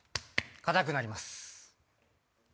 硬くなります！